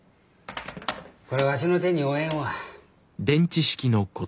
これわしの手に負えんわ。